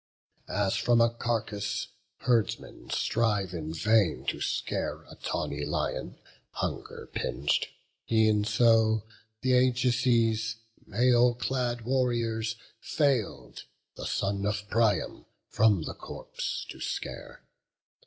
As from a carcase herdsmen strive in vain To scare a tawny lion, hunger pinch'd; E'en so th' Ajaces, mail clad warriors, fail'd The son of Priam from the corpse to scare.